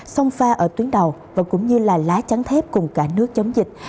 song pha ở tuyến đầu và cũng như là lá trắng thép cùng cả nước chống dịch